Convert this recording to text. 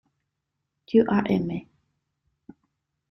Tu as aimé.